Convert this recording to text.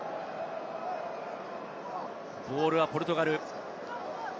ボールはポルトガル。